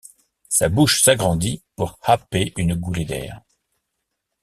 Sa bouche s’agrandit pour happer une goulée d’air.